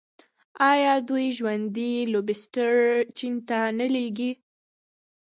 آیا دوی ژوندي لوبسټر چین ته نه لیږي؟